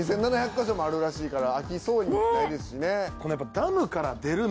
か所もあるらしいから飽きそうにないですしね。